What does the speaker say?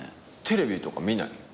テレビとか見ないの？